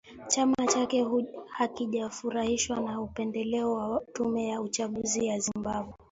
chama chake hakijafurahishwa na upendeleo wa tume ya uchaguzi ya Zimbabwe